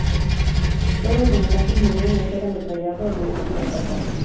Todos los ocupantes murieron al ser ametrallado el vehículo al pasar.